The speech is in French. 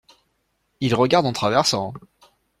Il regarde en traversant.